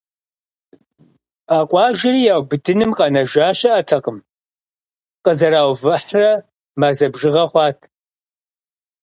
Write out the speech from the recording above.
А къуажэри яубыдыным къэнэжа щыӀэтэкъым – къызэраувыхьрэ мазэ бжыгъэ хъуат.